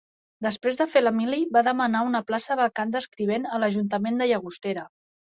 Després de fer la mili va demanar una plaça vacant d'escrivent a l'Ajuntament de Llagostera.